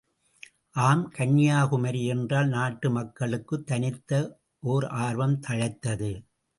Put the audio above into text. ஆம், கன்யாகுமரி என்றால் நாட்டு மக்களுக்குத் தனித்த ஓர் ஆர்வம் தழைத்தது.